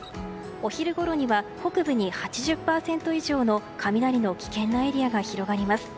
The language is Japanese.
お昼ごろには北部に８０％以上の雷の危険なエリアが広がります。